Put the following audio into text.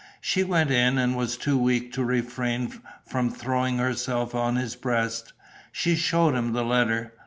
She went in and was too weak to refrain from throwing herself on his breast. She showed him the letter.